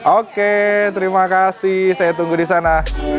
oke terima kasih saya tunggu di sana